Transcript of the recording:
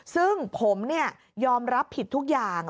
ซึ่งผมยอมรับผิดทุกอย่าง